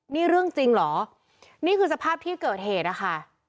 นี่เรื่องจริงเหรอนี่คือสภาพที่เกิดเหตุนะคะ